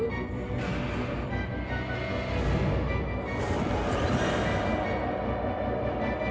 ia udah sekarang kamu gak usah pikirin lagi